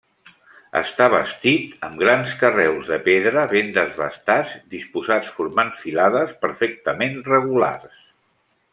Està bastit amb grans carreus de pedra ben desbastats, disposats formant filades perfectament regulars.